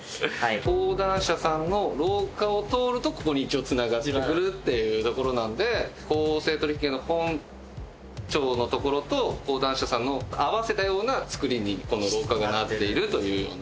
講談社さんの廊下を通るとここに一応つながってくるっていうところなんで公正取引の本庁の所と講談社さんの合わせたような造りにこの廊下がなっているというような。